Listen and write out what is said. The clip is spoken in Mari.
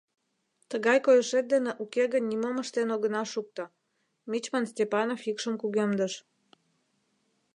Тыгай койышет дене уке гын нимом ыштен огына шукто, — мичман Степанов йӱкшым кугемдыш.